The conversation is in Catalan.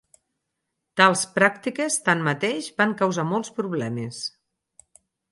Tals pràctiques, tanmateix, van causar molts problemes.